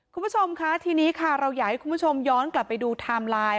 คุณผู้ชมค่ะทีนี้ค่ะเราอยากให้คุณผู้ชมย้อนกลับไปดูไทม์ไลน์